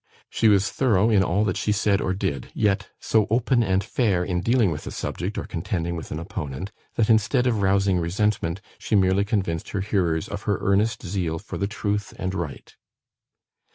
She was thorough in all that she said or did; yet so open and fair in dealing with a subject, or contending with an opponent, that instead of rousing resentment, she merely convinced her hearers of her earnest zeal for the truth and right.